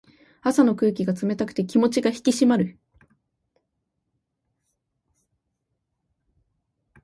朝の空気が冷たくて気持ちが引き締まる。